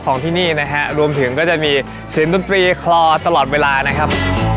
ที่นี่นะฮะรวมถึงก็จะมีเสียงดนตรีคลอตลอดเวลานะครับ